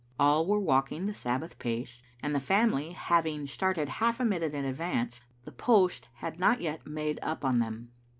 All were walking the Sabbath pace, and the family having started half a minute in advance, the post had not yet made up on them.